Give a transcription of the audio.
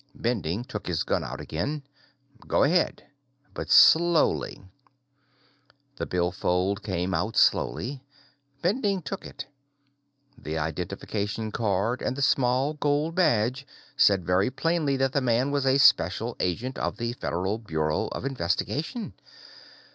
Bending took his gun out again. "Go ahead. But slowly." The billfold came out slowly. Bending took it. The identification card and the small gold badge said very plainly that the man was a Special Agent of the Federal Bureau of Investigation.